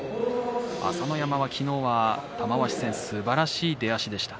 朝乃山は昨日は玉鷲戦すばらしい出足でした。